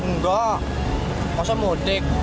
enggak masa mudik